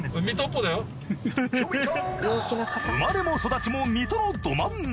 生まれも育ちも水戸のど真ん中。